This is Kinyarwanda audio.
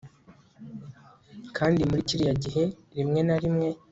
kandi muri kiriya gihe, rimwe na rimwe